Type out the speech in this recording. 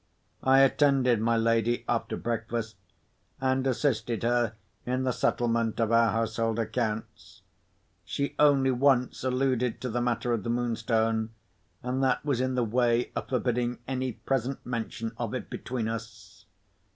I attended my lady after breakfast, and assisted her in the settlement of our household accounts. She only once alluded to the matter of the Moonstone, and that was in the way of forbidding any present mention of it between us.